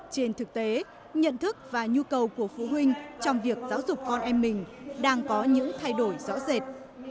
trên thực tế nhận thức và nhu cầu của phụ huynh trong việc giáo dục con em mình đang có những thay đổi rõ rệt